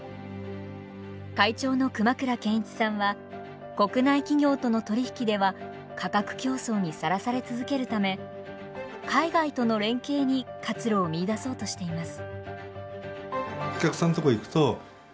会長の熊倉賢一さんは国内企業との取り引きでは価格競争にさらされ続けるため海外との連携に活路を見いだそうとしています。